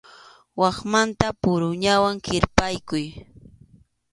Maqmataqa puruñawan kirpaykuy.